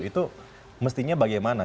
itu mestinya bagaimana